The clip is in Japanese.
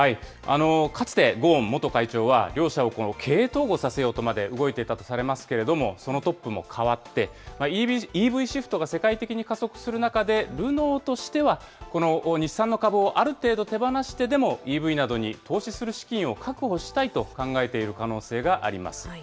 かつてゴーン元会長は、両社をこの経営統合させようとまで動いていたとされますけれども、そのトップも代わって、ＥＶシフトが世界的に加速する中で、ルノーとしては、この日産の株をある程度手放してでも、ＥＶなどに投資する資金を確保したいと考えている可能性があります。